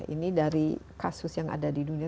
ini dari kasus yang ada di dunia